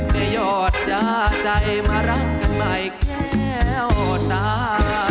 ยอดยาใจมารักกันใหม่แก้วตา